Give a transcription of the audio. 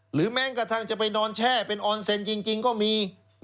แม้กระทั่งจะไปนอนแช่เป็นออนเซ็นต์จริงก็มี